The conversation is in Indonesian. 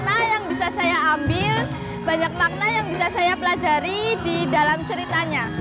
bagaimana yang bisa saya ambil banyak makna yang bisa saya pelajari di dalam ceritanya